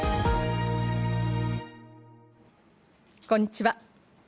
こんにちは。